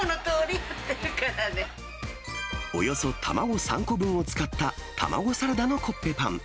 およそ卵３個分を使った、卵サラダのコッペパン。